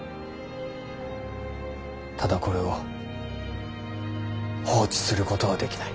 ただこれを放置することはできない。